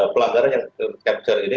pelanggaran yang tercapture ini